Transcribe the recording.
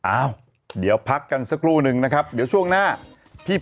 อ้าวเดี๋ยวพักกันสักครู่นึงนะครับเดี๋ยวช่วงหน้าพี่